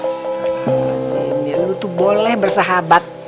astaga emangnya lu tuh boleh bersahabat